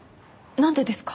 なんでですか？